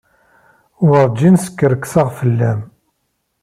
Werǧin skerkseɣ fell-am.